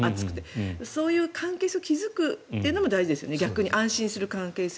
そういう関係性を築くのも大事ですよね。